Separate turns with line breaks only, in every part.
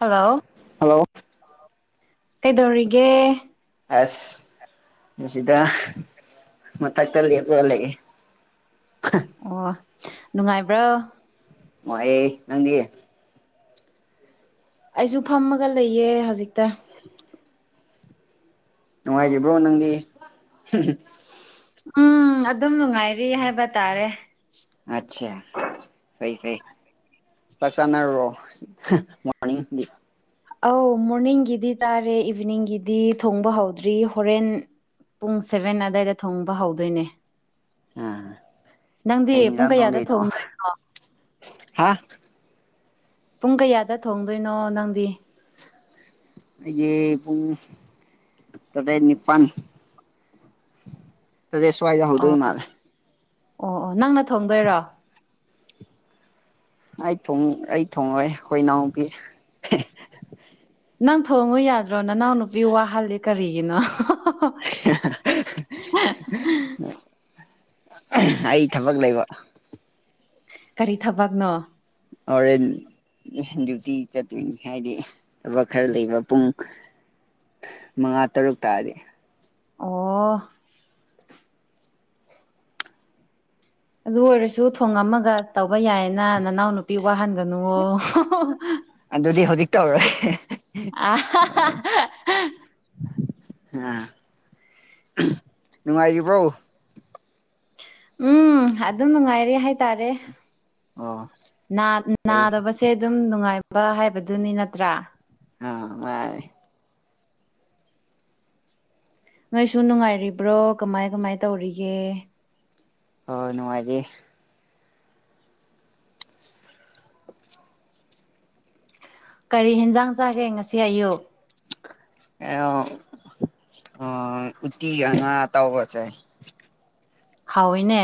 Hello
hello
ꯀꯩꯗꯧꯔꯤꯒꯦ꯫
ꯑꯁ ꯑꯁꯤꯗ ꯃꯊꯛꯇ ꯂꯦꯞ ꯂꯣꯂꯛꯑꯦ
ꯑꯣ ꯅꯨꯡꯉꯥꯏꯕ꯭ꯔꯣ꯫
ꯃꯣꯌꯦ ꯅꯪꯗꯤ꯫
ꯑꯩꯁꯨ ꯐꯝꯃꯒ ꯂꯩꯌꯦ ꯍꯧꯖꯤꯛꯇ꯫
[inaudible] ꯅꯨꯡꯉꯥꯏꯈꯤꯕ꯭ꯔꯣ ꯅꯪꯗꯤ
ꯎꯝ ꯑꯗꯨꯝ ꯅꯨꯡꯉꯥꯏꯔꯤ ꯍꯥꯏꯕ ꯇꯥꯔꯦ
ꯑꯆꯥ ꯀꯩ ꯀꯩ꯫ ꯆꯥꯛ ꯆꯥꯟꯅꯔꯨꯔꯣ ꯃꯣꯔꯅꯤꯡꯗꯤ
ꯑꯧ ꯃꯣꯔꯅꯤꯡꯒꯤꯗꯤ ꯆꯥꯔꯦ ꯏꯚꯤꯅꯤꯡꯒꯤꯗꯤ ꯊꯣꯡꯕ ꯍꯧꯗ꯭ꯔꯤ ꯍꯣꯔꯦꯟ꯫ ꯄꯨꯡ ꯁꯦꯚꯦꯟ ꯑꯋꯥꯏꯗ ꯊꯣꯡꯕ ꯍꯧꯗꯣꯏꯅꯦ꯫ ꯅꯪꯗꯤ ꯄꯨꯡ
ꯀꯩꯑꯦꯟꯖꯥꯡ
ꯀꯌꯥꯗ
ꯇꯣꯡꯗꯣꯏꯅꯣ
ꯊꯣꯡꯗꯣꯏꯅꯣ
ꯍꯥ꯫
ꯄꯨꯡ ꯀꯌꯥꯗ ꯊꯣꯡꯗꯣꯏꯅꯣ ꯅꯪꯗꯤ
ꯏ ꯄꯨꯡ ꯇꯔꯦꯠ ꯅꯤꯄꯥꯟ
[inaudible]
ꯇꯔꯦꯠ ꯁꯋꯥꯏꯗ
ꯑꯣ
ꯍꯧꯗꯣꯏ ꯃꯥꯜꯂꯦ
ꯑꯣ ꯑꯣ ꯅꯪꯅ ꯊꯣꯡꯗꯣꯏꯔꯣ꯫
ꯑꯩ ꯊꯣꯡ ꯑꯩ ꯊꯣꯡꯉꯣꯏ ꯍꯣꯏ ꯏꯅꯥꯎꯕꯤ
ꯅꯪ ꯊꯣꯡꯉꯨ ꯌꯥꯗ꯭ꯔꯣ ꯅ ꯅꯅꯥꯎ ꯅꯨꯄꯤ ꯋꯥꯍꯜꯂꯤ ꯀꯔꯤꯒꯤꯅꯣ
ꯑꯩ ꯊꯕꯛ ꯂꯩꯕ꯫
ꯀꯔꯤ ꯊꯕꯛꯅꯣ꯫
ꯑꯣꯔꯦꯟ ꯗ꯭ꯌꯨꯇꯤ ꯆꯠꯇꯣꯏꯅꯤ ꯍꯥꯏꯗꯤ ꯊꯕꯛ ꯈꯔ ꯂꯩꯕ ꯄꯨꯡ ꯃꯉꯥ ꯇꯔꯨꯛ ꯇꯥꯔꯗꯤ
ꯑꯣ꯫ ꯑꯗꯨ ꯑꯣꯏꯔꯁꯨ ꯊꯣꯡ ꯑꯃꯒ ꯇꯧꯕ ꯌꯥꯏꯅ ꯅꯅꯥꯎ ꯅꯨꯄꯤ ꯋꯥꯍꯟꯒꯅꯨꯋꯣ
ꯑꯗꯨꯗꯤ ꯍꯧꯖꯤꯛ ꯇꯧꯔꯦ꯫
[unintelligible]
ꯑ ꯅꯨꯡꯉꯥꯏꯔꯤꯕ꯭ꯔꯣ
ꯎꯝ ꯑꯗꯨꯝ ꯅꯨꯡꯉꯥꯏꯔꯦ ꯍꯥꯏꯇꯥꯔꯦ꯫
ꯑꯣ ꯐꯩ
ꯅꯥꯗꯕꯁꯦ ꯑꯗꯨꯝ ꯅꯨꯡꯉꯥꯏꯕ ꯍꯥꯏꯕꯗꯨꯅꯤ ꯅꯠꯇ꯭ꯔꯥ꯫
ꯑ ꯃ
ꯅꯣꯏꯁꯨ ꯅꯨꯡꯉꯥꯏꯔꯤꯕ꯭ꯔꯣ ꯀꯃꯥꯏ ꯀꯃꯥꯏ ꯇꯧꯔꯤꯒꯦ
ꯑꯁ ꯅꯨꯡꯉꯥꯏꯇꯦ
ꯀꯔꯤ ꯍꯦꯟꯖꯥꯡ ꯆꯥꯒꯦ ꯉꯁꯤ ꯑꯌꯨꯛ꯫
[unintelligible]
ꯍꯥꯎꯏꯅꯦ꯫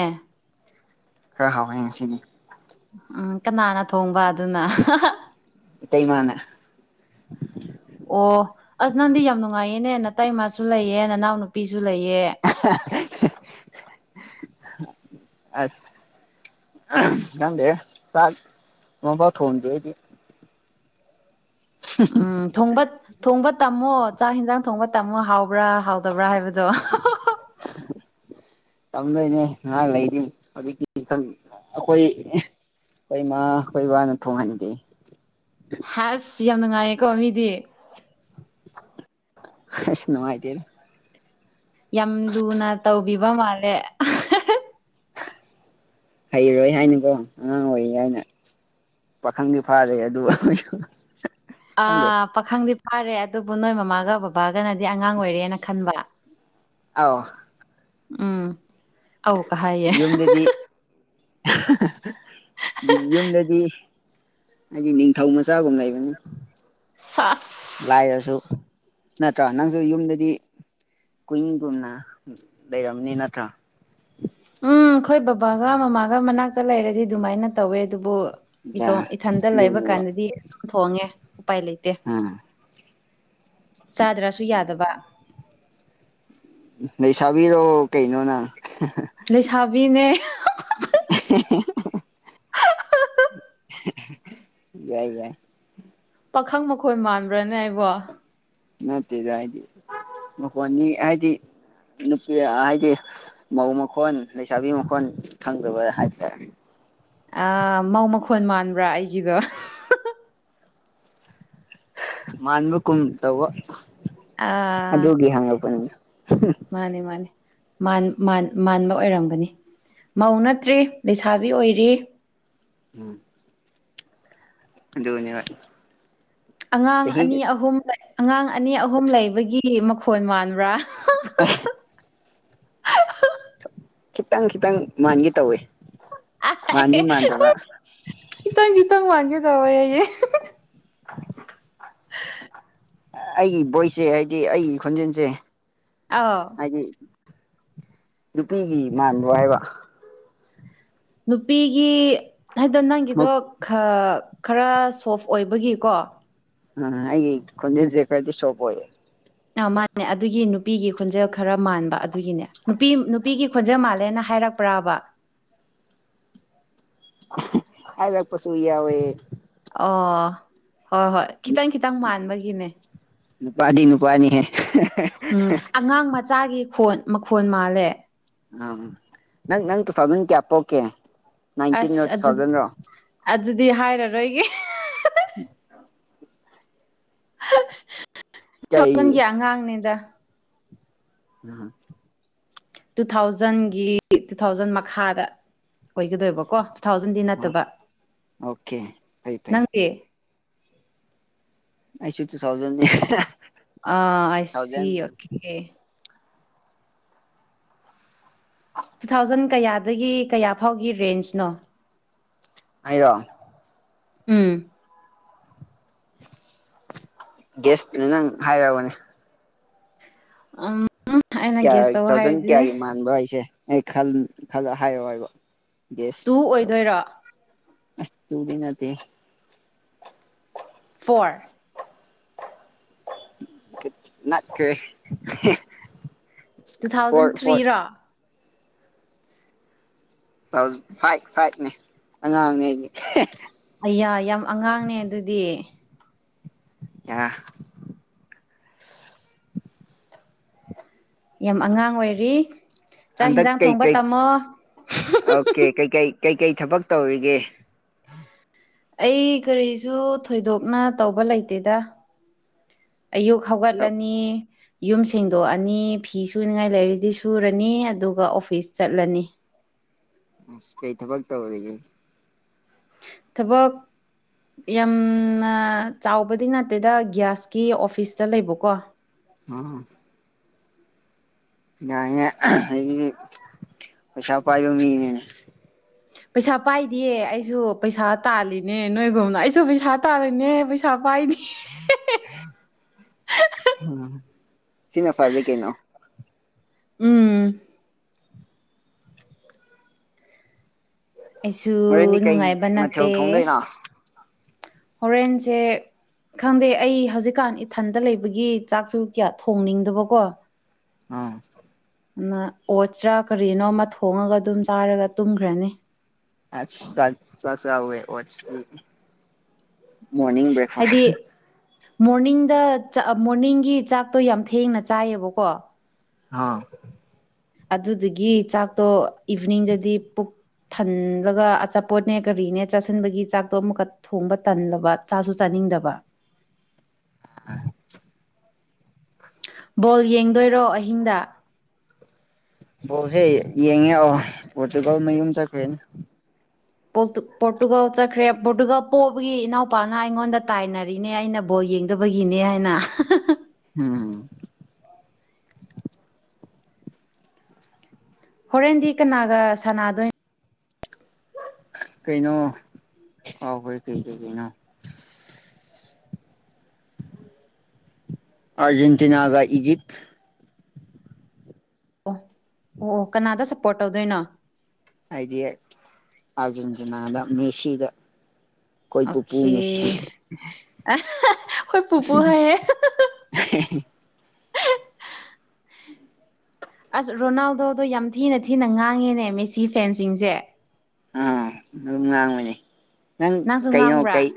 ꯈꯔ ꯍꯥꯎꯋꯦ ꯉꯁꯤꯗꯤ
ꯎꯝ ꯀꯅꯥꯅ ꯊꯣꯡꯕ ꯑꯗꯨꯅ
ꯇꯩꯃꯅ꯫
ꯑꯣ ꯑꯁ ꯅꯪꯗꯤ ꯌꯥꯝ ꯅꯨꯡꯉꯥꯏꯌꯦꯅꯦ ꯅꯇꯩꯃꯥꯁꯨ ꯂꯩꯌꯦꯅꯦ ꯅꯅꯥꯎ ꯅꯨꯄꯤꯁꯨ ꯂꯩꯌꯦ
ꯑꯁ꯫ ꯈꯪꯗꯦ ꯆꯥꯛ ꯅꯣꯡꯐꯥꯎ ꯊꯣꯡꯗꯔꯤ
ꯎꯝ ꯊꯣꯡꯕ ꯊꯣꯡꯕ ꯇꯝꯃꯣ ꯆꯥꯛ ꯌꯦꯟꯖꯥꯡ ꯊꯣꯡꯕ ꯇꯝꯃꯣ ꯍꯥꯎꯕ꯭ꯔꯥ ꯍꯥꯎꯗꯕ꯭ꯔꯥ ꯍꯥꯏꯕꯗꯣ
[inaudible] ꯇꯝꯗꯣꯏꯅꯦ ꯉꯍꯥ ꯂꯩꯔꯤ ꯍꯧꯖꯤꯛꯇꯤ ꯑꯩꯈꯣꯏ꯫ ꯑꯩꯈꯣꯏ ꯏꯃꯥ ꯑꯩꯈꯣꯏ ꯏꯕꯥꯅ ꯊꯣꯡ ꯍꯟꯗꯦ꯫
ꯍꯥꯁ ꯌꯥꯝ ꯅꯨꯡꯉꯥꯏꯌꯦꯀꯣ ꯃꯤꯗꯤ꯫
ꯑꯁ ꯅꯨꯡꯉꯥꯏꯇꯦ
ꯌꯥꯝ ꯂꯨꯅ ꯇꯧꯕꯤꯕ ꯃꯥꯜꯂꯦ꯫
ꯍꯩꯔꯣꯏ ꯍꯥꯏꯅꯤꯀꯣ ꯑꯉꯥꯡ ꯑꯣꯏꯔꯤ ꯍꯥꯏꯅ꯫ ꯄꯥꯈꯪꯗꯤ ꯐꯥꯔꯦ ꯑꯗꯨꯒ
ꯑ ꯄꯥꯈꯪꯗꯤ ꯐꯥꯔꯦ ꯑꯗꯨꯕꯨ ꯅꯣꯏ ꯃꯃꯥꯒ ꯕꯕꯥꯒꯅꯗꯤ ꯑꯉꯥꯡ ꯑꯣꯏꯔꯦꯅ ꯈꯟꯕ꯫
ꯑꯧ꯫
ꯎꯝ ꯑꯧꯀ ꯍꯥꯏꯌꯦ
ꯌꯨꯝꯗꯗꯤ ꯌꯨꯝꯗꯗꯤ ꯅꯪꯒꯤ ꯅꯤꯡꯊꯧ ꯃꯆꯥꯒꯨꯝ ꯂꯩꯕꯅꯤ꯫
ꯁꯥꯁ꯫
ꯂꯥꯏꯔꯁꯨ ꯅꯠꯇꯔ ꯅꯪꯁꯨ ꯌꯨꯝꯗꯗꯤ꯫ ꯀꯨꯋꯏꯤꯡꯒꯨꯝꯅ ꯂꯩꯔꯝꯅꯤ ꯅꯠꯇ꯭ꯔꯣ
ꯎꯝ ꯑꯩꯈꯣꯏ ꯕꯕꯥꯒ ꯃꯃꯥꯒ ꯃꯅꯥꯛꯇ ꯂꯩꯔꯗꯤ ꯑꯗꯨꯃꯥꯏꯅ ꯇꯧꯋꯦ ꯑꯗꯨꯕꯨ
ꯖꯥ
ꯏꯇꯣ ꯏꯊꯟꯇ ꯂꯩꯕ
ꯑꯗꯨꯅꯦꯕ
ꯀꯥꯟꯗꯗꯤ ꯑꯗꯨꯝ ꯊꯣꯡꯉꯦ ꯎꯄꯥꯏ ꯂꯩꯇꯦ
ꯎꯝ꯫
ꯆꯥꯗ꯭ꯔꯥꯁꯨ ꯌꯥꯗꯕ
ꯂꯩꯁꯥꯕꯤꯔꯣ ꯀꯩꯅꯣꯅ
ꯂꯩꯁꯥꯕꯤꯅꯦ
[unintelligible] ꯌꯥꯏ ꯌꯥꯏ꯫
ꯄꯥꯈꯪ ꯃꯈꯣꯏ ꯃꯥꯟꯕ꯭ꯔꯥꯅꯦ ꯍꯥꯏꯕꯣ
ꯅꯠꯇꯖ ꯍꯥꯏꯗꯤ ꯃ ꯐꯅꯤ ꯍꯥꯏꯗꯤ ꯅꯨꯄꯤ ꯍꯥꯏꯗꯤ ꯃꯧ ꯃꯈꯣꯟ ꯂꯩꯁꯥꯕꯤ ꯃꯈꯣꯟ ꯐꯪꯗꯕ ꯍꯥꯏꯇꯥꯔꯦ
ꯑ ꯃꯧ ꯃꯈꯣꯟ ꯃꯥꯟꯕ꯭ꯔꯥ ꯑꯩꯒꯤꯗꯣ
ꯃꯥꯥꯟꯕ ꯀꯃ ꯇꯧꯕ
ꯑꯥ꯫
ꯑꯗꯨꯒꯤ ꯍꯪꯉꯛꯄꯅꯤꯗ
ꯃꯥꯅꯦ ꯃꯥꯅꯦ ꯃꯥꯟꯕ ꯑꯣꯏꯔꯝꯒꯅꯤ ꯃꯧ ꯅꯠꯇ꯭ꯔꯤ ꯂꯩꯁꯥꯕꯤ ꯑꯣꯏꯔꯤ꯫
ꯎꯝ ꯑꯗꯨꯅꯦ ꯋꯥ
ꯑꯉꯥꯡ ꯑꯅꯤ ꯑꯍꯨꯝ ꯑꯉꯥꯡ ꯑꯅꯤ ꯑꯍꯨꯝ ꯂꯩꯕꯒꯤ ꯃꯈꯣꯟ ꯃꯥꯟꯕ꯭ꯔꯥ
ꯈꯤꯇꯪ ꯈꯤꯇꯪ ꯃꯥꯟꯒꯦ ꯇꯧꯋꯦ ꯃꯥꯟꯗꯤ ꯃꯥꯟꯗꯕ꯫
ꯈꯤꯇꯪ ꯈꯤꯇꯪ ꯃꯥꯟꯒꯦ ꯇꯧꯋꯦꯌꯦ꯫
ꯑꯩꯒꯤ ꯕꯣꯏꯁꯦ ꯍꯥꯏꯗꯤ ꯑꯩꯒꯤ ꯈꯣꯟꯖꯦꯜꯁꯦ
ꯑꯧ
ꯃꯥꯗꯤ ꯅꯨꯄꯤꯒꯤ ꯃꯥꯟꯕ ꯍꯥꯏꯕ
ꯅꯨꯄꯤꯒꯤ ꯍꯥꯏꯗꯣ ꯅꯪꯒꯤꯗꯣ
ꯃꯛ
ꯈ ꯈꯔ ꯁꯣꯐ ꯑꯣꯏꯕꯒꯤꯀꯣ꯫
ꯎꯝ ꯑꯩꯒꯤ ꯈꯨꯟꯖꯦꯟꯁꯦ ꯈꯔꯗꯤ ꯁꯣꯄ ꯑꯣꯌꯦ
ꯑ ꯃꯥꯅꯦ ꯑꯗꯨꯒꯤ ꯅꯨꯄꯤꯒꯤ ꯈꯣꯟꯖꯦꯜ ꯈꯔ ꯃꯥꯟꯕ ꯑꯗꯨꯒꯤꯅꯦ ꯅꯨꯄꯤ ꯅꯨꯄꯤꯒꯤ ꯈꯣꯟꯖꯦꯜ ꯃꯥꯜꯂꯦꯅ ꯍꯥꯏꯔꯛꯄ ꯄ꯭ꯔꯥꯕ
ꯍꯥꯏ ꯂꯥꯛ ꯄꯁꯨꯨ ꯌꯥꯎꯏ
ꯑꯣ ꯍꯣꯏ ꯍꯣꯏ ꯈꯤꯇꯪ ꯈꯤꯇꯪ ꯃꯥꯟꯕꯒꯤꯅꯦ
ꯅꯨꯄꯗꯤ ꯅꯨꯄꯋꯥꯅꯤꯍꯦ
ꯎꯝ ꯑꯉꯥꯡ ꯃꯆꯥꯒꯤ ꯈꯣꯟ ꯃꯈꯣꯟ ꯃꯥꯜꯂꯦ
ꯑ ꯅꯪ ꯅꯪ ꯇꯨ ꯊꯧꯡꯁꯟ ꯀꯦꯌꯥꯄꯣꯛꯀꯦ
ꯑꯁ ꯑꯗꯨ ꯑꯗꯨꯗꯤ ꯍꯥꯏꯔꯔꯣꯏꯒꯦ ꯇꯨ
ꯀꯌꯥ
ꯊꯥꯎꯖꯟꯒꯤ ꯑꯉꯥꯡꯅꯤꯗ
[unintelligible]
ꯇꯨ ꯊꯥꯎꯖꯟꯒꯤ ꯇꯨ ꯊꯥꯎꯖꯟ ꯃꯈꯥꯗ ꯑꯣꯏꯒꯗꯣꯏꯕꯀꯣ ꯊꯥꯎꯖꯟꯗꯤ ꯅꯠꯇꯕ
ꯑꯣꯀꯦ ꯐꯩ ꯐꯩ
ꯅꯪꯗꯤ
ꯑꯩꯁꯨ ꯇꯨ ꯊꯧꯎꯖꯟꯅꯦ
ꯑ ꯑꯥꯁꯤ ꯑꯣꯀꯦ ꯇꯨ ꯊꯥꯎꯖꯟ ꯀꯌꯥꯗꯒꯤ ꯀꯌꯥ ꯐꯥꯎꯒꯤ ꯔꯦꯟꯖꯅꯣ
ꯑꯩꯔꯣ
ꯎꯝ
ꯒꯦꯁꯇꯨꯅꯦ ꯅꯪ ꯍꯥꯏꯔꯔꯕꯅꯦ
ꯎꯝ ꯑꯩꯅ
ꯀꯌꯥ
ꯒ꯭ꯌꯥꯁ ꯇꯧ
ꯆꯖꯟ
ꯍꯥꯏꯔꯤꯁꯦ
ꯀꯌꯥꯒꯤ ꯃꯥꯟꯕ ꯍꯥꯏꯁꯦ ꯑꯩ ꯈ ꯈꯂ ꯍꯥꯏꯔꯑꯣ ꯍꯥꯏꯕ ꯌꯦꯁ
ꯇꯨ ꯑꯣꯏꯗꯣꯏꯔꯣ
ꯑꯁ ꯗꯨꯒꯤ ꯅꯠꯇꯦ
four
[unintelligible]
two thousand
four four
ꯊ꯭ꯔꯤꯔꯣ
ꯁꯥꯎ ꯐꯥꯏ ꯐꯥꯏꯠꯅꯦ ꯑꯉꯥꯡꯅꯦ
ꯑꯩꯌꯥꯏ ꯌꯥꯝ ꯑꯉꯥꯡꯅꯦ ꯑꯗꯨꯗꯤ
ꯌꯥ
ꯌꯥꯝ ꯑꯉꯥꯡ ꯑꯣꯏꯔꯤ ꯆꯥꯛ
ꯍꯟꯗꯛ
ꯍꯤꯟꯖꯥꯡ ꯊꯣꯡꯕ
ꯀꯩꯀꯩ
ꯇꯝꯃꯣ
ꯑꯣꯀꯦ ꯀꯩꯀꯩ ꯀꯩꯀꯩ ꯊꯕꯛ ꯇꯧꯔꯤꯒꯦ
ꯑꯩ ꯀꯔꯤꯁꯨ ꯊꯣꯏꯗꯣꯛꯅ ꯇꯧꯕ ꯂꯩꯇꯦꯗ ꯑꯌꯨꯛ ꯍꯧꯒꯠꯂꯅꯤ ꯌꯨꯝ ꯁꯦꯡꯗꯣꯛꯑꯅꯤ ꯐꯤ ꯁꯨꯅꯤꯉꯥꯏ ꯂꯩꯔꯗꯤ ꯁꯨꯔꯅꯤ ꯑꯗꯨꯒ ꯑꯣꯐꯤꯁ ꯆꯠꯂꯅꯤ
ꯑꯁ ꯀꯩ ꯊꯕꯛ ꯇꯧꯔꯤꯒꯦ
ꯊꯕꯛ ꯌꯥꯝꯅ ꯆꯥꯎꯕꯗꯤ ꯅꯠꯇꯦꯗ ꯒ꯭ꯌꯥꯁꯀꯤ ꯑꯣꯐꯤꯁꯇ ꯂꯩꯕꯀꯣ
ꯑ ꯌꯥꯅꯦ ꯑꯩꯗꯤ ꯄꯩꯁꯥ ꯄꯥꯏꯕ ꯃꯤꯅꯦꯅꯦ
ꯄꯩꯁꯥ ꯄꯥꯏꯗꯦ ꯑꯩꯁꯨ ꯄꯩꯁꯥ ꯇꯥꯜꯂꯤꯅꯦ ꯅꯣꯏꯒꯨꯝꯅ ꯑꯩꯁꯨ ꯄꯩꯁꯥ ꯇꯥꯜꯂꯤꯅꯦ ꯄꯩꯁꯥ ꯄꯥꯏꯗ [unintelligible]
ꯁꯤꯅ ꯐꯔꯂꯤ ꯀꯩꯅꯣ
ꯎꯝ ꯑꯩꯁꯨ
ꯍꯣꯔꯦꯟꯗꯤ ꯀꯩ
ꯅꯨꯡꯉꯥꯏꯕ
ꯃꯊꯦꯜ
ꯅꯠꯇꯦ
ꯊꯣꯡꯗꯣꯏꯅꯣ
ꯍꯣꯔꯦꯟꯁꯦ ꯈꯪꯗꯦ ꯑꯩ ꯍꯧꯖꯤꯛꯀꯥꯟ ꯏꯊꯟꯗ ꯂꯩꯕꯒꯤ ꯆꯥꯛꯁꯨ ꯀꯌꯥ ꯊꯣꯡꯅꯤꯡꯗꯕꯀꯣ
ꯑꯥ
ꯑꯃ ꯑꯣꯠꯁ꯭ꯔꯥ ꯀꯔꯤꯅꯣꯃ ꯊꯣꯡꯉꯒ ꯑꯗꯨꯝ ꯆꯥꯔꯒ ꯇꯨꯝꯈ꯭ꯔꯅꯤ
ꯑ ꯆ ꯆꯁꯋꯦ ꯃꯣꯔꯅꯤꯡ ꯕ꯭ꯔꯦꯛꯐꯥꯁ
ꯍꯥꯏꯗꯤ ꯃꯣꯔꯅꯤꯡꯗ ꯃꯣꯔꯅꯤꯡꯒꯤ ꯆꯥꯛꯇꯣ ꯌꯥꯝ ꯊꯦꯡꯅ ꯆꯥꯏꯌꯦꯕꯀꯣ
ꯍꯥꯥ
ꯑꯗꯨꯗꯨꯒꯤ ꯆꯥꯛꯇꯣ ꯏꯚꯅꯤꯡꯗꯗꯤ ꯄꯨꯛ ꯊꯜꯂꯒ ꯑꯆꯥꯄꯣꯠꯅꯦ ꯀꯔꯤꯅꯦ ꯆꯥꯁꯤꯟꯕꯒꯤ ꯆꯥꯛꯇꯣ ꯑꯃꯨꯛꯀ ꯊꯣꯡꯕ ꯇꯜꯂꯕ ꯆꯥꯁꯨ ꯆꯥꯅꯤꯡꯗꯕ
ꯑ
ꯕꯣꯜ ꯌꯦꯡꯗꯣꯏꯔꯣ ꯑꯍꯤꯡꯗ
ꯕꯣꯁꯦ ꯌꯦꯡꯉꯦ ꯑꯣ ꯄꯣꯔꯇꯨꯒꯜ ꯃꯌꯨꯝ ꯆꯠꯈ꯭ꯔꯦꯅꯦ
ꯄꯣꯔꯇꯨꯒꯥꯜ ꯆꯠꯈ꯭ꯔꯦ ꯄꯣꯔꯇꯨꯒꯥꯜ ꯄꯣꯛꯕꯒꯤ ꯏꯅꯥꯎꯄꯥꯅ ꯑꯩꯉꯣꯟꯗ ꯇꯥꯏꯅꯔꯤꯅꯦ ꯑꯩꯅ ꯕꯣꯜ ꯌꯦꯡꯗꯕꯒꯤꯅꯦ ꯍꯥꯏꯅ
ꯎꯝ
ꯍꯣꯔꯦꯟꯗꯤ ꯀꯅꯥꯒ ꯁꯥꯟꯅꯗꯣꯏꯅꯣ
ꯀꯩꯅꯣ ꯍꯥꯎ ꯐꯣꯏ ꯀꯩ ꯀꯩ ꯀꯩꯅꯣ ꯑꯔꯖꯦꯟꯇꯤꯅꯥꯒ ꯏꯖꯤꯞꯇ
ꯑꯣ ꯑꯣ ꯑꯣ ꯀꯅꯥꯗ ꯁꯞꯄꯣꯔꯠ ꯇꯧꯗꯣꯏꯅꯣ
ꯍꯥꯏꯗꯤ ꯑꯔꯖꯦꯟꯇꯤꯅꯥꯗ ꯃꯦꯁꯤꯗ ꯀꯣꯏ ꯄꯨ ꯄꯨ
ꯑꯣꯀꯦ
ꯃꯦꯁꯤ
ꯑꯩꯈꯣꯏ ꯄꯨꯄꯨ ꯍꯥꯏꯌꯦ
[unintelligible]
[unintelligible] ꯑꯁ ꯔꯣꯅꯥꯜꯗꯣꯗꯣ ꯌꯥꯝ ꯊꯤꯅ ꯊꯤꯅ ꯉꯥꯡꯉꯦꯅꯦ ꯃꯦꯁꯤ ꯐꯦꯟꯁꯤꯡꯁꯦ
ꯑꯝ ꯑꯗꯨꯝ ꯉꯥꯡꯕꯅꯤ ꯅꯪ
ꯅꯪꯁꯨ
ꯀꯩꯅꯣ
ꯉꯥꯡꯕ꯭ꯔꯥ
ꯀꯩ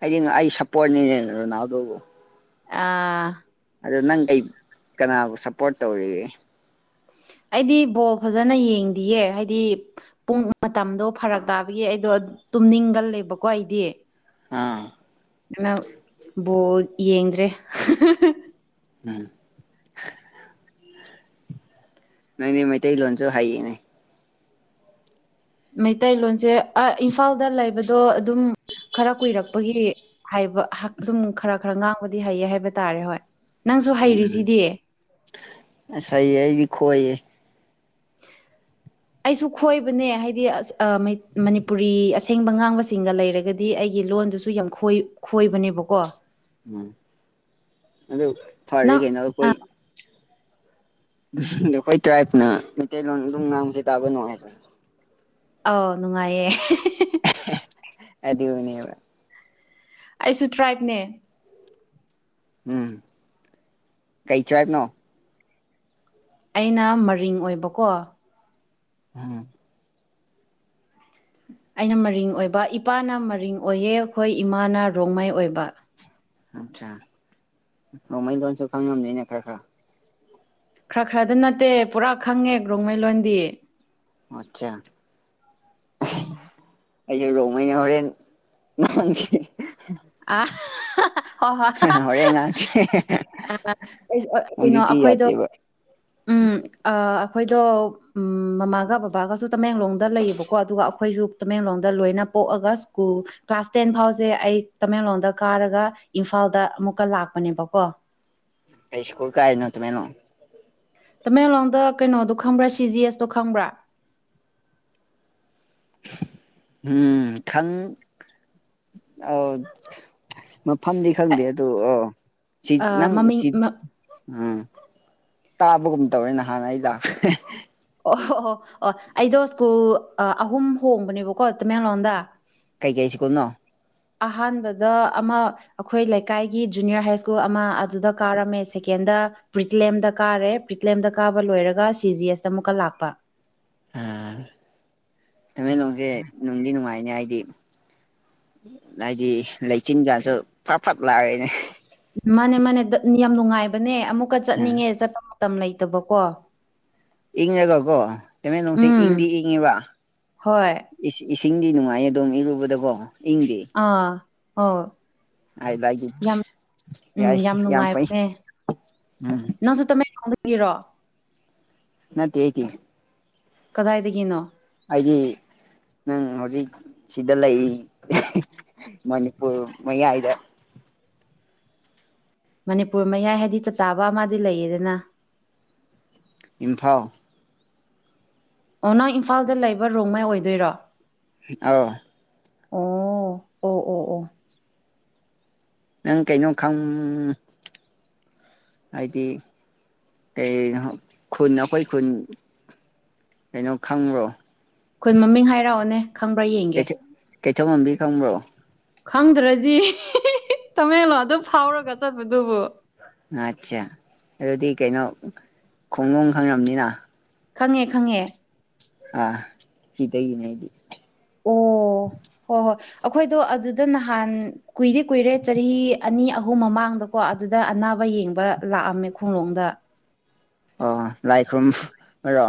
ꯍꯥꯏꯗꯤ ꯑꯩ ꯁꯞꯄꯣꯔꯠꯅꯤ ꯔꯣꯅꯥꯜꯗꯣꯕꯨ
ꯑ
ꯑꯗꯨ ꯅꯪ ꯀꯩ ꯀꯅꯥꯕꯨ ꯁꯄꯣꯔꯠ ꯇꯧꯔꯤꯒꯦ
ꯑꯩꯗꯤ ꯕꯣꯜ ꯐꯖꯅ ꯌꯦꯡꯗꯤꯌꯦ ꯍꯥꯏꯗꯤ ꯄꯨꯡ ꯃꯇꯝꯗꯣ ꯐꯔꯛ ꯇꯥꯕꯒꯤ ꯑꯩꯗꯣ ꯇꯨꯝꯅꯤꯡꯒꯜꯂꯦꯕꯀꯣ ꯑꯩꯗꯤ
ꯑꯥ
[unintelligible] ꯕꯣꯜ ꯌꯦꯡꯗ꯭ꯔꯦ
ꯎꯝ ꯅꯪꯗꯤ ꯃꯩꯇꯩ ꯂꯣꯟꯁꯨ ꯍꯥꯏꯌꯦꯅꯦ
ꯃꯩꯇꯩꯂꯣꯟꯁꯦ ꯑ ꯏꯝꯐꯥꯜꯗ ꯂꯩꯕꯗꯣ ꯑꯗꯨꯝ ꯈꯔ ꯀꯨꯏꯔꯛ ꯄꯒꯤ ꯍꯥꯏꯕ ꯑꯗꯨꯝ ꯈꯔ ꯈꯔ ꯉꯥꯡꯕꯗꯤ ꯍꯩꯌꯦ ꯍꯥꯏꯕ ꯇꯥꯔꯦ ꯍꯣꯏ ꯅꯪꯁꯨ
ꯎꯝ
ꯍꯩꯔꯤꯁꯤꯗꯤ
ꯑꯁ ꯑꯩꯗꯤ ꯈꯣꯏꯌꯦ
[inaudible] ꯑꯩꯁꯨ ꯈꯣꯏꯕꯅꯦ ꯍꯥꯏꯗꯤ ꯑꯁ ꯃꯅꯤꯄꯨꯔꯤ ꯑꯁꯦꯡꯕ ꯉꯥꯡꯕꯁꯤꯡꯒ ꯂꯩꯔꯒꯗꯤ ꯑꯩꯒꯤ ꯂꯣꯟꯗꯨꯁꯨ ꯁꯨ ꯌꯥꯝ ꯈꯣꯏ ꯈꯣꯏꯕꯅꯦꯕꯀꯣ
ꯎꯝ ꯑꯗꯨ ꯐꯔꯦ
ꯅꯪ
ꯀꯩꯅꯣ ꯑꯩꯈꯣꯏ ꯑꯗꯣ ꯑꯩꯈꯣꯏ ꯇ꯭ꯔꯥꯏꯞꯅ ꯃꯩꯇꯩꯂꯣꯟ ꯑꯗꯨꯝ ꯉꯥꯡꯕꯁꯦ ꯇꯥꯕ ꯅꯨꯡꯉꯥꯏꯕ꯭ꯔ
ꯑꯥꯎ ꯅꯨꯡꯉꯥꯏꯌꯦ
[unintelligible] ꯑꯗꯨ ꯅꯦꯕ
ꯑꯩꯁꯨ ꯇ꯭ꯔꯥꯏꯕꯅꯦ
ꯎꯝ ꯀꯩ ꯇꯔꯥꯏꯕ ꯅꯣ
ꯑꯩꯅ ꯃꯔꯤꯡ ꯑꯣꯏꯕꯀꯣ
ꯎꯝ
ꯑꯩꯅ ꯃꯔꯤꯡ ꯑꯣꯏꯕ ꯏꯄꯥꯅ ꯃꯔꯤꯡ ꯑꯣꯏꯌꯦ ꯑꯩꯈꯣꯏ ꯏꯃꯥꯅ ꯔꯣꯡꯃꯥꯏ ꯑꯣꯏꯕ
ꯑꯆꯥꯥ ꯔꯣꯡꯃꯩ ꯂꯣꯟꯁꯨ ꯈꯪꯉꯝꯅꯤꯅꯦ ꯈꯔ ꯈꯔ
ꯈꯔ ꯈꯔꯗ ꯅꯠꯇꯦ ꯄꯨꯔꯥ ꯈꯪꯉꯦ ꯔꯣꯡꯃꯩ ꯂꯣꯟꯗꯤ
[unintelligible] ꯑꯩꯁꯨ ꯔꯣꯡꯃꯩꯅꯦ ꯍꯣꯔꯦꯟ [unintelligible] ꯍꯣꯔꯦꯟ ꯉꯥꯡꯁꯦ
[unintelligible] ꯑ [unintelligible] ꯀꯩꯅꯣ
ꯍꯧꯖꯤꯛꯇꯤ
ꯑꯩꯈꯣꯏꯗꯣ
ꯌꯥꯗꯦꯕ
ꯎꯝ ꯑ ꯑꯩꯈꯣꯏꯗꯣ ꯎꯝ ꯃꯃꯥꯒ ꯕꯕꯥꯒꯁꯨ ꯇꯃꯦꯡꯂꯣꯡꯗ ꯂꯩꯌꯦꯕꯀꯣ ꯑꯗꯨꯒ ꯑꯩꯈꯣꯏꯁꯨ ꯇꯃꯦꯡꯂꯣꯡꯗ ꯂꯣꯏꯅ ꯄꯣꯛꯑꯒ ꯁ꯭ꯀꯨꯜ ꯀ꯭ꯂꯥꯁ ꯇꯦꯟ ꯐꯥꯎꯁꯦ ꯑꯩ ꯇꯃꯦꯡꯂꯣꯗ ꯀꯥꯔꯒ ꯏꯝꯐꯥꯜꯗ ꯑꯃꯨꯛꯀ ꯂꯥꯛꯄꯅꯦꯕꯀꯣ
ꯀꯩ ꯏꯁꯀꯨꯜ ꯀꯥꯏꯅꯣ ꯇꯃꯦꯡꯂꯣꯡ
ꯇꯃꯦꯡꯂꯣꯡꯗ ꯀꯩꯅꯣꯗꯣ ꯈꯪꯕ꯭ꯔꯥ ꯁꯤ ꯖꯤ ꯑꯦꯁꯇꯣ ꯈꯪꯕ꯭ꯔꯥ
ꯎꯝ ꯈꯪ ꯑꯧ ꯃꯐꯝꯗꯤ ꯈꯪꯗꯦ ꯑꯗꯨꯗꯣ ꯑꯣ ꯁꯤ
ꯑꯥ
ꯅꯪ
ꯃꯃꯤꯡ ꯑꯣ
ꯎꯝ ꯇꯥꯕꯒꯨꯝ ꯇꯧꯋꯦ ꯅꯍꯥꯟ ꯑꯩ ꯂꯥꯛ [unintelligible]
ꯑꯣꯍꯣ ꯑꯣ ꯑꯩꯗꯣ ꯁ꯭ꯀꯨꯜ ꯑꯍꯨꯝ ꯍꯣꯡꯕꯅꯦꯕꯀꯣ ꯇꯃꯦꯡꯂꯣꯡꯗ
ꯀꯩꯀꯩ ꯁ꯭ꯀꯨꯜꯅꯣ
ꯑꯍꯥꯟꯕꯗ ꯑꯃ ꯑꯩꯈꯣꯏ ꯂꯩꯀꯥꯏꯒꯤ ꯖꯨꯅꯤꯌꯔ ꯍꯥꯏ ꯁ꯭ꯀꯨꯜ ꯑꯃ ꯑꯗꯨꯗ ꯀꯥꯔꯝꯃꯦ ꯁꯦꯀꯦꯟꯗ ꯄ꯭ꯔꯤꯠꯂꯦꯝꯗ ꯀꯥꯔꯦ ꯄ꯭ꯔꯤꯠꯂꯦꯝꯗ ꯀꯥꯕ ꯂꯣꯏꯔꯒ ꯁꯤ ꯖꯤ ꯑꯦꯁꯇ ꯑꯃꯨꯛꯀ ꯂꯥꯛꯄ
ꯑꯝ ꯇꯃꯦꯡꯂꯣꯡꯖꯦ ꯅꯨꯡꯗꯤ ꯅꯨꯡꯉꯥꯏꯅꯦ ꯍꯥꯏꯗꯤ ꯍꯥꯏꯗꯤ ꯂꯩꯆꯤꯟ ꯀꯥꯁꯨ ꯐꯥꯠ ꯐꯥꯠ ꯂꯥꯛꯑꯦꯅꯦ
ꯃꯥꯅꯦ ꯃꯥꯅꯦ ꯌꯥꯝ ꯅꯨꯡꯉꯥꯏꯕꯅꯦ ꯑꯃꯨꯛꯀ ꯆꯠꯅꯤꯡꯉꯦ ꯆꯠꯄ ꯃꯇꯝ ꯂꯩꯇꯕꯀꯣ꯫
ꯏꯪꯉꯒ ꯀꯣ ꯇꯃꯦꯂꯣꯡꯖꯦ
ꯎꯝ
ꯏꯪꯗꯤ ꯏꯪꯉꯦꯕ꯫
ꯍꯣꯏ
ꯏꯁꯤꯡꯗꯤ ꯅꯨꯡꯉꯥꯏꯌꯦ ꯑ ꯑꯗꯨꯝ ꯏꯔꯨꯕꯗꯀꯣ ꯏꯪꯗꯦ꯫
ꯑꯥ ꯍ
ꯌꯥꯏ ꯌꯥꯝ ꯐꯩꯝ
ꯅꯪꯖꯨ ꯇꯃꯦꯡꯂꯣꯡꯗꯒꯤꯔꯣ꯫
ꯅꯠꯇꯦ ꯑꯩꯗꯤ꯫
ꯀꯗꯥꯏꯗꯒꯤꯅꯣ꯫
ꯑꯩꯗꯤ ꯅꯪ ꯍꯧꯖꯤꯛ ꯁꯤꯗ ꯂꯩ ꯃꯅꯤꯄꯨꯔ ꯃꯌꯥꯏꯗ꯫
ꯃꯅꯤꯄꯨꯔ ꯃꯌꯥꯏ ꯍꯥꯏꯗꯤ ꯆꯞ ꯆꯥꯕ ꯑꯃꯗꯤ ꯂꯩꯌꯦꯗꯅ
ꯏꯝꯐꯥꯜ
ꯑꯣ ꯅꯪ ꯏꯝꯐꯥꯜꯗ ꯂꯩꯕ ꯔꯣꯡꯃꯩ ꯑꯣꯏꯗꯣꯏꯔꯣ
ꯑꯎ
ꯑꯣ ꯑꯣ ꯑꯣ ꯑꯣ
ꯅꯪ ꯀꯩꯅꯣ ꯈꯪ ꯍꯥꯏꯗꯤ ꯀꯩꯅꯣ ꯈꯨꯟ ꯑꯩꯈꯣꯏ ꯈꯨꯟ ꯀꯩꯅꯣ ꯈꯪꯕꯔꯣ꯫
ꯈꯨꯟ ꯃꯃꯤꯡ ꯍꯥꯏꯔꯛꯑꯣꯅꯦ ꯈꯪꯕ꯭ꯔꯥ ꯌꯦꯡꯒꯦ꯫
ꯀꯩꯊꯦꯜꯃꯟꯕꯤ ꯈꯪꯕ꯭ꯔꯣ
ꯈꯪꯗ꯭ꯔꯗꯤ ꯇꯃꯦꯡꯂꯣꯡ ꯑꯗꯨꯝ ꯐꯥꯎꯔꯒ ꯆꯠꯄꯗꯨꯕꯨ
ꯑꯠꯆꯥ ꯑꯗꯨꯗꯤ ꯀꯩꯅꯣ ꯈꯣꯡꯗꯣ ꯈꯪꯉꯝꯅꯤꯅ
ꯈꯪꯉꯦ ꯈꯪꯉꯦ꯫
ꯑ ꯁꯤꯗꯒꯤꯅꯦ ꯑꯩꯗꯤ꯫
ꯑꯣ ꯍꯣꯏ ꯍꯣꯏ ꯑꯩꯈꯣꯏꯗꯣ ꯑꯗꯨꯗ ꯅꯍꯥꯟ ꯀꯨꯏꯗꯤ ꯀꯨꯏꯔꯦ ꯆꯍꯤ ꯑꯅꯤ ꯑꯍꯨꯝ ꯃꯃꯥꯡꯗꯀꯣ ꯑꯗꯨꯗ ꯑꯅꯥꯕ ꯌꯦꯡꯕ ꯂꯥꯛꯑꯝꯃꯦ ꯈꯣꯂꯣꯡꯗ꯫
ꯑꯣ ꯂꯥꯏ ꯈꯨ꯭ꯔꯨꯝꯕꯔꯣ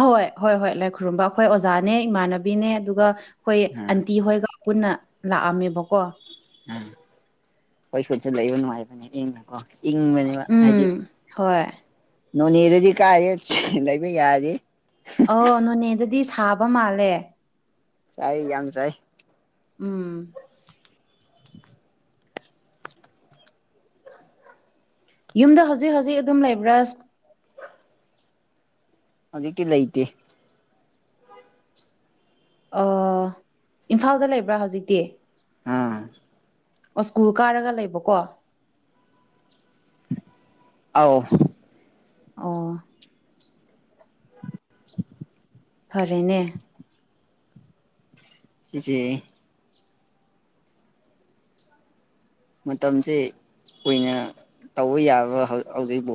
ꯑꯍꯣꯏ ꯍꯣꯏ ꯍꯣꯏ ꯂꯥꯏ ꯈꯨꯔꯨꯝꯕ ꯑꯩꯈꯣꯏ ꯑꯣꯖꯥꯅꯦ ꯏꯃꯥꯟꯅꯕꯤꯅꯦ ꯑꯗꯨꯒ ꯑꯩꯈꯣꯏ
ꯑꯥ
ꯑꯟꯇꯤ ꯍꯣꯏꯒ꯫ ꯄꯨꯟꯅ ꯂꯥꯛꯑꯝꯃꯦꯕꯀꯣ
ꯎꯝ ꯈꯣꯏ ꯁꯠꯁꯨ ꯂꯩꯕ ꯅꯨꯡꯉꯥꯏꯕꯅꯤ ꯀꯣ ꯏꯪꯕꯅꯤ ꯍꯥꯏꯗꯤ
ꯎꯝ ꯍꯣꯏ
ꯅꯣꯅꯦꯗꯗꯤ ꯀꯥꯏꯗꯩ ꯂꯩꯕ ꯌꯥꯗꯦ꯫
ꯑꯣ ꯅꯣꯅꯦꯗꯗꯤ ꯁꯥꯕ ꯃꯥꯜꯂꯦ꯫
ꯆꯥꯏ ꯌꯥꯝꯝ ꯁꯥꯏ
ꯎꯝ ꯌꯨꯝꯗ ꯍꯧꯖꯤꯛ ꯍꯧꯖꯤꯛ ꯑꯗꯨꯝ ꯂꯩꯕ꯭ꯔꯥ
ꯍꯧꯖꯤꯛꯇꯤ ꯂꯩꯇꯦ꯫
ꯏꯝꯐꯥꯜꯗ ꯂꯩꯕ꯭ꯔꯥ ꯍꯧꯖꯤꯛꯇꯤ
ꯑꯥ
ꯑꯣ ꯁ꯭ꯀꯨꯜ ꯀꯥꯔꯒ ꯂꯩꯕꯀꯣ
ꯑꯥꯎ꯫
ꯑꯣ꯫
[inaudible]
ꯐꯔꯦꯅꯦ꯫
ꯁꯤꯁꯦ ꯃꯇꯝꯁ ꯀꯨꯏꯅ ꯇꯧꯕ ꯌꯥꯕꯔ ꯍꯧꯖꯤꯛꯄꯨ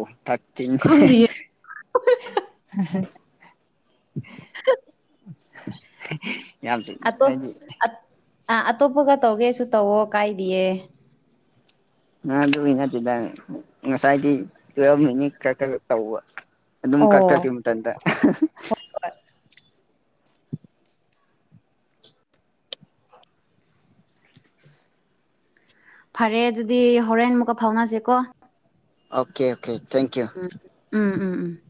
ꯈꯪꯗꯤꯌꯦ
[unintelligible]
[inaudible]
[unintelligible] ꯍꯥꯏꯗꯤ
ꯑꯇꯣꯞꯄꯒ ꯇꯧꯒꯦꯁꯨ ꯇꯧꯋꯣ ꯀꯥꯏꯗꯤꯌꯦ꯫
ꯑꯗꯨ ꯏꯅꯠꯇꯗ ꯉꯁꯥꯏꯒꯤ ꯇꯨꯌꯦꯞ ꯃꯤꯅꯤꯠ ꯈꯛꯗ ꯇꯧꯕ꯫ ꯑꯗꯨꯃ ꯀꯛꯊꯠꯀꯔꯦ
ꯑꯣ
ꯃꯊꯟꯇ
ꯍꯣꯏ ꯐꯔꯦ ꯑꯗꯨꯗꯤ ꯍꯣꯔꯦꯟ ꯑꯃꯨꯛꯀ ꯐꯥꯎꯅꯖꯦꯀꯣ꯫
Okay okay thank you.
ꯎꯝ ꯎꯝ ꯎꯝ ꯎꯝ